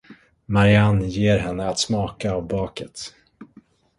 Marianne ger henne att smaka av baket.